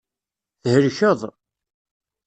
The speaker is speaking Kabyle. Thelkeḍ.